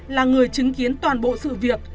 là người chứng kiến toàn bộ sự việc